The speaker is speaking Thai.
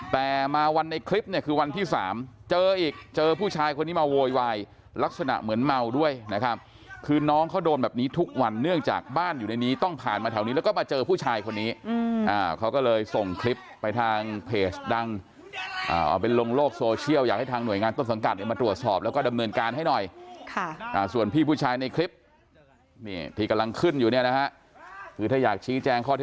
แต่มาวันในคลิปเนี่ยคือวันที่สามเจออีกเจอผู้ชายคนนี้มาโวยวายลักษณะเหมือนเมาด้วยนะครับคือน้องเขาโดนแบบนี้ทุกวันเนื่องจากบ้านอยู่ในนี้ต้องผ่านมาแถวนี้แล้วก็มาเจอผู้ชายคนนี้อ่าเขาก็เลยส่งคลิปไปทางเพจดังอ่าเป็นโรงโลกโซเชียลอยากให้ทางหน่วยงานต้นสังกัดมาตรวจสอบแล้วก็ดำเนินการให้หน่อยค่ะอ